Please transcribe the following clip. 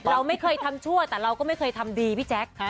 เราไม่เคยทำชั่วแต่เราก็ไม่เคยทำดีพี่แจ๊ค